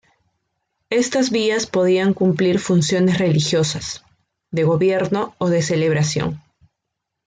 Estas vías podían cumplir funciones religiosas, de gobierno o de celebración.